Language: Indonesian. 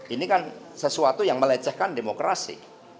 ini kan sesuatu yang melecehkan demokrasi